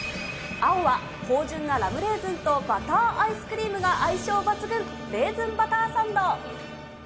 青は、芳じゅんなラムレーズンとバターアイスクリームが相性抜群、レーズンバターサンド。